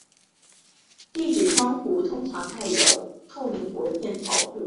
地址窗口通常盖有透明薄片保护。